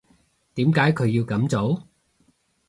點解佢要噉做？